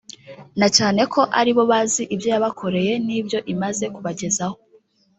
na cyane ko aribo bazi ibyo yabakoreye n’ibyo imaze kubagezaho